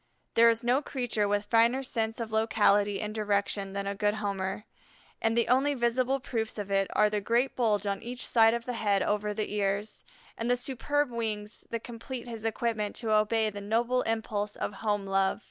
There is no creature with finer sense of locality and direction than a good Homer, and the only visible proofs of it are the great bulge on each side of the head over the ears, and the superb wings that complete his equipment to obey the noble impulse of home love.